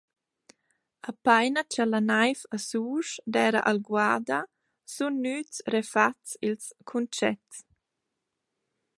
Apaina cha la naiv a Susch d’eira alguada sun gnüts refats ils cuntschets.